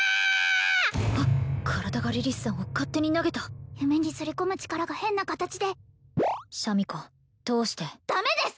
体がリリスさんを勝手に投げた夢にすり込む力が変な形でシャミ子通してダメです